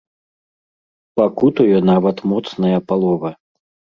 Пакутуе нават моцная палова!